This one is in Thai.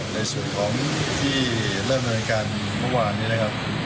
ในส่วนของที่เริ่มรายการเมื่อวานนี้นะครับ